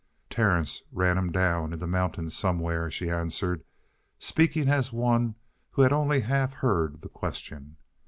"Terence ran him down in the mountains somewhere," she answered, speaking as one who had only half heard the question.